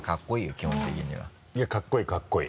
基本的には。いやかっこいいかっこいい。